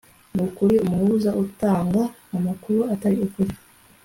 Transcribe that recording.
Nukuri Umuhuza utanga amakuru atari ukuri